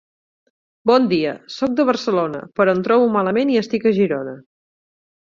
Bon dia, soc de Barcelona, però em trobo malament i estic a Girona.